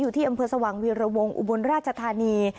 ที่อำเภอสว่างวีรวงอุบลราชธานี